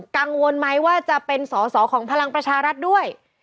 กังวลไหมว่าจะเป็นสอสอของพลังประชารัฐด้วย